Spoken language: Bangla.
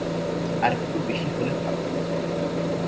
আরেকটু বেশি হলে ভালো হত।